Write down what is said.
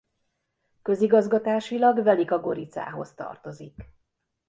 Közigazgatásilag Velika Goricához tartozik.